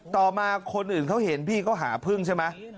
ต่อมาคนอื่นเขาเห็นพี่เขาหาพึ่งใช่ไหม